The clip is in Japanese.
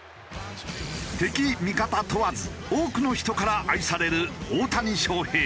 敵味方問わず多くの人から愛される大谷翔平。